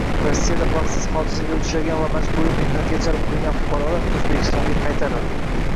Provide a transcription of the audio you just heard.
Rossiyada baxtsiz hodisaga uchragan va majburiy mehnatga jalb qilingan fuqarolar O‘zbekistonga qaytarildi